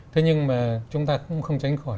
thế nhưng mà chúng ta cũng không tránh khỏi